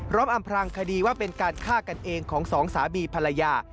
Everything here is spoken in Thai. อำพรางคดีว่าเป็นการฆ่ากันเองของสองสามีภรรยา